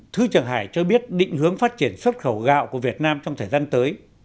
thứ trưởng hải cho biết định hướng phát triển xuất khẩu gạo của việt nam trong thời gian tới